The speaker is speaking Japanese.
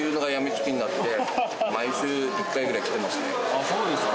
・あそうですか。